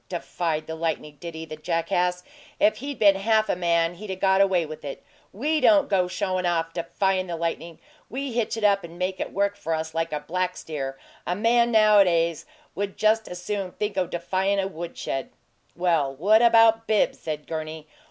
'Defied the lightning,' did he, the jackass! If he'd been half a man he'd 'a' got away with it. WE don't go showin' off defyin' the lightning we hitch it up and make it work for us like a black steer! A man nowadays would just as soon think o' defyin' a wood shed!" "Well, what about Bibbs?" said Gurney.